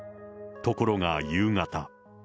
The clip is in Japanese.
ところが夕方。